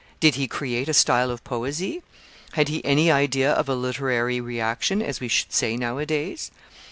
Did he create a style of poesy? Had he any idea of a literary reaction, as we should say nowadays?